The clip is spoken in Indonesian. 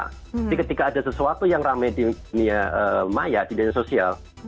jadi ketika ada sesuatu yang ramai di dunia maya di dunia sosial